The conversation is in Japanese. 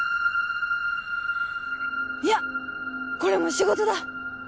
いやこれも仕事だ！